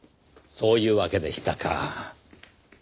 そういうわけでしたか。